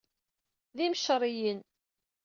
D imceṛṛiyen.